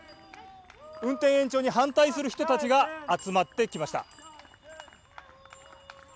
運転延長に反対する人たちが集まってきました。